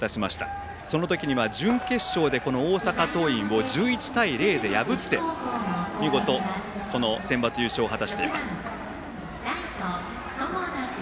その時には準決勝でこの大阪桐蔭を１１対０で破って見事センバツ優勝を果たしています。